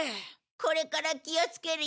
これから気をつけるよ。